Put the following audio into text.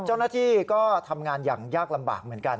เจ้าหน้าที่ก็ทำงานอย่างยากลำบากเหมือนกัน